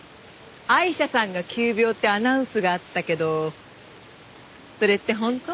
アイシャさんが急病ってアナウンスがあったけどそれって本当？